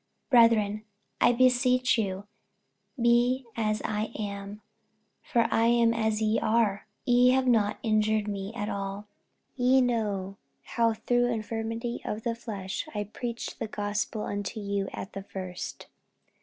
48:004:012 Brethren, I beseech you, be as I am; for I am as ye are: ye have not injured me at all. 48:004:013 Ye know how through infirmity of the flesh I preached the gospel unto you at the first.